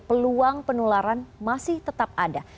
peluang penularan masih tetap ada